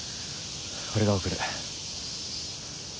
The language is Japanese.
俺が送る。